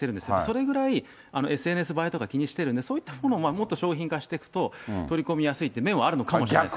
それぐらい、ＳＮＳ映えとか気にしてるんで、そういったものをもっと商品化していくと、取り込みやすいっていう面もあるのかもしれないですね。